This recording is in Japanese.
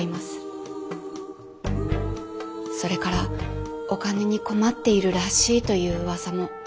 それからお金に困っているらしいといううわさも。